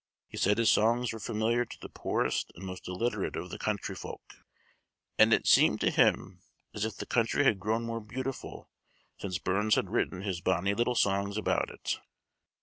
He said his songs were familiar to the poorest and most illiterate of the country folk, "_and it seemed to him as if the country had grown more beautiful, since Burns had written his bonnie little songs about it.